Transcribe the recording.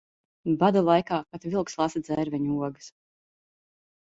Bada laikā pat vilks lasa dzērveņu ogas.